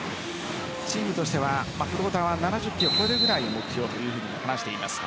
チームとしては、フローターは７０キロを超えるぐらいを目標と話しています。